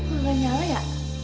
udah nyala ya